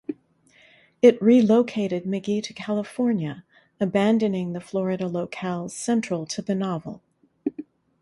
It relocated McGee to California, abandoning the Florida locales central to the novel.